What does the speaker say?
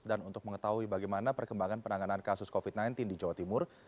dan untuk mengetahui bagaimana perkembangan penanganan kasus covid sembilan belas di jawa timur